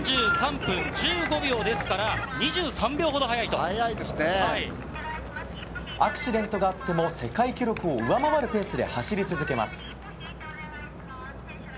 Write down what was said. ４３分１５秒ですからアクシデントがあっても世界記録を上回るペースで走り続けます。